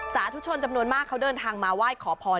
สาธุชนจำนวนมากเขาเดินทางมาไหว้ขอพร